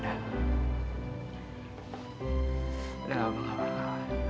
udah gak apa apa